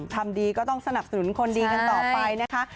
ทำดีก็ต้องสนับสนุนคนดีกันต่อไปนะคะ